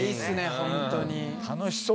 ホントに。